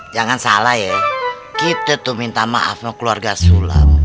jangan salah ya kita tuh minta maaf sama keluarga sulam